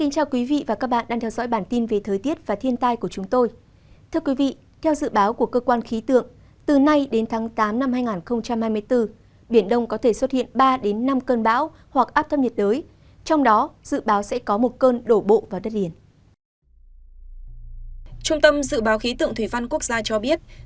các bạn hãy đăng ký kênh để ủng hộ kênh của chúng tôi nhé